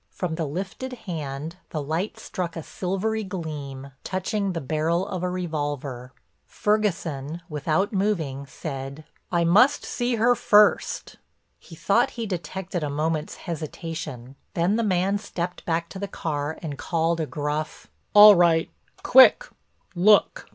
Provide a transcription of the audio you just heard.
From the lifted hand, the light struck a silvery gleam, touching the barrel of a revolver. Ferguson, without moving said: "I must see her first." He thought he detected a moment's hesitation, then the man stepped back to the car and called a gruff: "All right—quick—look."